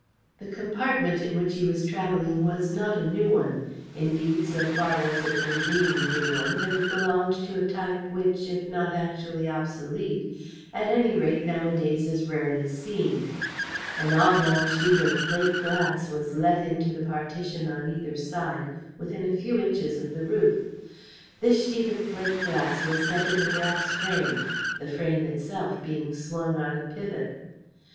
The compartment in which he was travelling was not a new one; indeed, so far was it from being a new one, that it belonged to a type which, if not actually obsolete, at any rate nowadays is rarely seen. An oblong sheet of plate glass was let into the partition on either side, within a few inches of the roof. This sheet of plate glass was set in a brass frame, the frame itself being swung on a pivot.